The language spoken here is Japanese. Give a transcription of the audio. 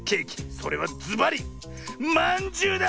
それはずばりまんじゅうだ！